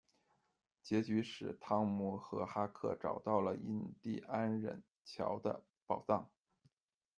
结局时，汤姆与哈克找到了印地安人乔的宝藏。